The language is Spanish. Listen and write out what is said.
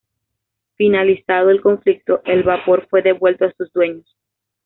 Finalizado el conflicto, el vapor fue devuelto a sus dueños.